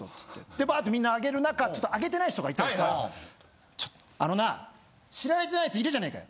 でバッてみんなあげる中ちょっとあげてない人がいたりしたら「あのな知られてないやついるじゃねえかよ。